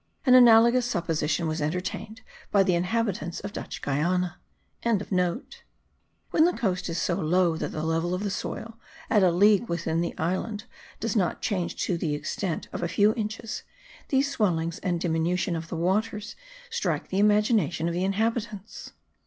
An analogous supposition was entertained by the inhabitants of Dutch Guiana.) When the coast is so low that the level of the soil, at a league within the island, does not change to extent of a few inches, these swellings and diminution of the waters strike the imagination of the inhabitants.